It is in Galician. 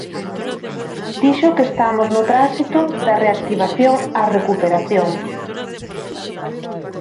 Dixo que estamos no tránsito da reactivación á recuperación.